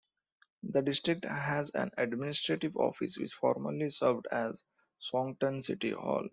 The district has an administrative office which formerly served as Songtan City Hall.